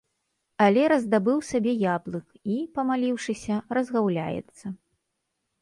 Але раздабыў сабе яблык і, памаліўшыся, разгаўляецца.